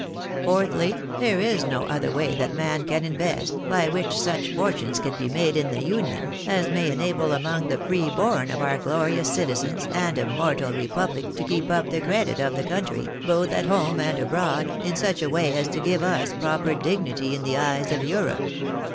Fourthly, there is no other way that man can invest, by which such fortunes can be made in the Union, as may enable some among the free born of our glorious citizeiis and im mortal republic to keep up the credit of the country, both at home and abroad, in such a way as to give us proper dignity in the eyes of Europe.